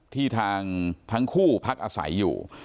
ทางทั้งคู่พักอาศัยอยู่